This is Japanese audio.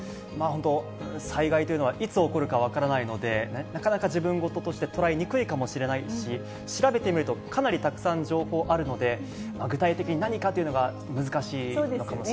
本当、災害というのは、いつ起こるか分からないので、なかなか自分事として捉えにくいかもしれないし、調べてみるとかなりたくさん情報あるので、具体的に何かというのが難しいのかもしれないですね。